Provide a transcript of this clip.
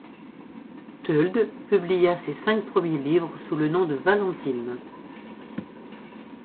Thölde publia ses cinq premiers livres sous le nom de Valentine.